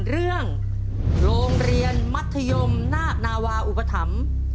เรื่องโรงเรียนมัธยมหน้านาวาอุปถัมภ์